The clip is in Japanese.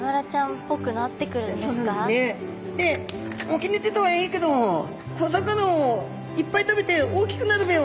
「沖に出たはいいけど小魚をいっぱい食べて大きくなるべよ」。